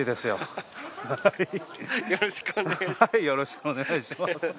よろしくお願いします。